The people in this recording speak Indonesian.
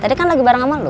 tadi kan lagi bareng ama lo